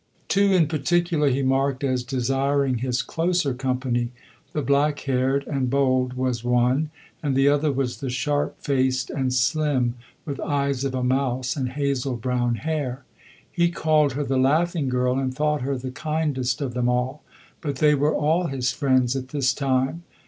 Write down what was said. Two in particular he marked as desiring his closer company the black haired and bold was one, and the other was the sharp faced and slim with eyes of a mouse and hazel brown hair. He called her the laughing girl and thought her the kindest of them all. But they were all his friends at this time.